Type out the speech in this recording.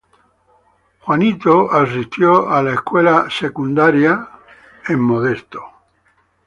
James asistió a la escuela secundaria a Peter Johansen High School en Modesto.